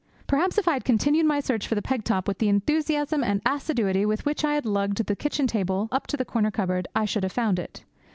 Perhaps if I had continued my search for the peg top with the enthusiasm and assiduity with which I had lugged the kitchen table up to the corner cupboard, I should have found it.